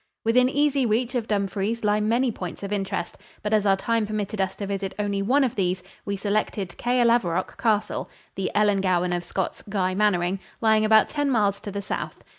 Within easy reach of Dumfries lie many points of interest, but as our time permitted us to visit only one of these, we selected Caerlaverock Castle, the Ellangowan of Scott's "Guy Mannering," lying about ten miles to the south.